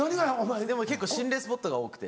でも結構心霊スポットが多くて。